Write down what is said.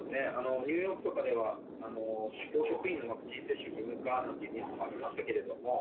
ニューヨークとかでは教職員のワクチン接種義務化というニュースもありました。